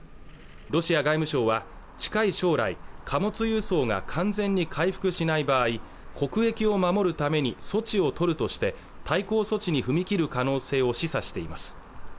ロシア外務省は近い将来貨物輸送が完全に回復しない場合国益を守るために措置を取るとして対抗措置に踏み切る可能性を示唆しています